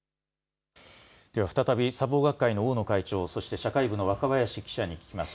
では再び砂防学会の大野会長、そして社会部の若林記者に聞きます。